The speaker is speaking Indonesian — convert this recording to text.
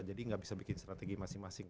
jadi gak bisa bikin strategi masing masing